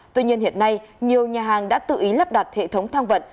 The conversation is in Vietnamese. tuy nhiên hiện nay nhiều nhà hàng đã tự ý lắp đặt hệ thống thang vận